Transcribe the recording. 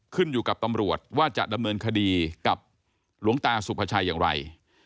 ขึ้นอยู่กับตำรวจว่าจะดำเนินคดีกับหลวงตาสุภาชัยอย่างไร